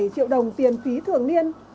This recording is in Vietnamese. ba bảy triệu đồng tiền phí thường niên